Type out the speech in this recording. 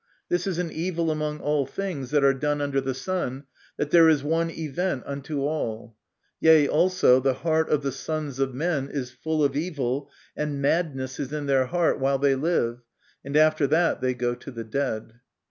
This is an evil among all things that are done under the sun, that there is one event unto all : yea, also the heart of the sons of men is full of evil, and madness is in their heart while they live, and after that they go to the dead.